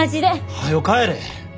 はよ帰れ！